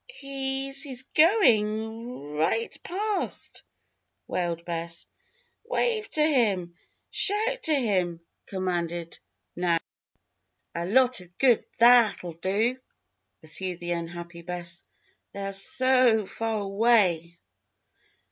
"He's he's going ri i ight past!" wailed Bess. "Wave to him! Shout to him!" commanded Nan. "A lot of good tha a at'll do!" pursued the unhappy Bess. "They're so o fa a ar away."